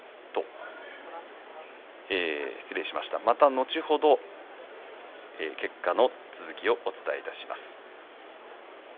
後ほど結果の続きをお伝えします。